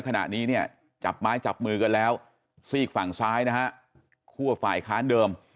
ขณะนี้เนี่ยจับไม้จับมือกันแล้วซีกฝั่งซ้ายนะฮะคั่วฝ่ายค้านเดิม